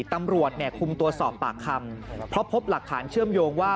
ตำรวจเนี่ยคุมตัวสอบปากคำเพราะพบหลักฐานเชื่อมโยงว่า